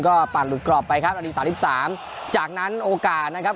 ก็ปั่นหลุดกรอบไปครับนาทีสามสิบสามจากนั้นโอกาสนะครับ